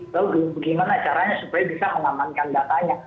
lalu bagaimana caranya supaya bisa mengamankan datanya